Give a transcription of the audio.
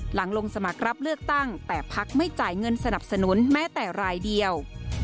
หลังลงสมัครรับเลือกตั้งแต่พักไม่จ่ายเงินสนับสนุนแม้แต่รายเดียว